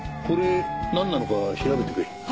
これなんなのか調べてくれ。